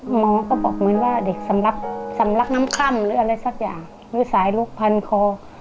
หมอก็บอกเหมือนว่าเด็กสำลักสำลักน้ำค่ำหรืออะไรสักอย่างหรือสายลุกพันคอ